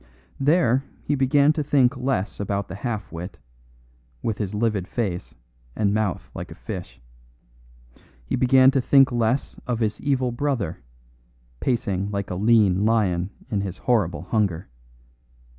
There he began to think less about the half wit, with his livid face and mouth like a fish. He began to think less of his evil brother, pacing like a lean lion in his horrible hunger.